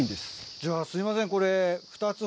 じゃあすいませんこれ。